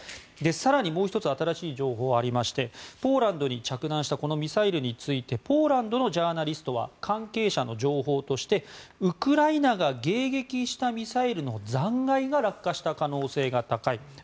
更にもう１つ新しい情報がありましてポーランドに着弾したこのミサイルについてポーランドのジャーナリストは関係者の情報としてウクライナが迎撃したミサイルの残骸が落下した可能性が高いと。